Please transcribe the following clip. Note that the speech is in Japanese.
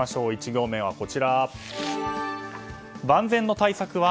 １行目、万全の対策は？